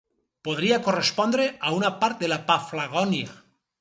Podria correspondre a una part de la Paflagònia.